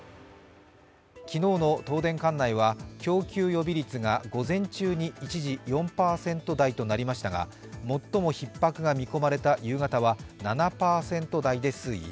昨日の東電管内は供給予備率が午前中に一時４％台となりましたが最もひっ迫が見込まれた夕方は７％台で推移。